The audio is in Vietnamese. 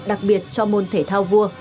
đặc biệt cho môn thể thao vua